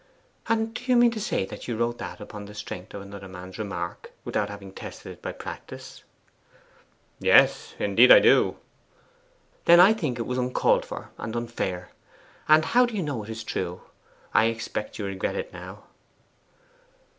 'And do you mean to say that you wrote that upon the strength of another man's remark, without having tested it by practice?' 'Yes indeed I do.' 'Then I think it was uncalled for and unfair. And how do you know it is true? I expect you regret it now.